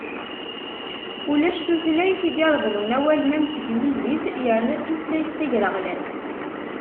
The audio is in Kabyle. Ulac tutlayt i d-ireḍlen awalen am teglizit yerna d tutlayt tagraɣlant.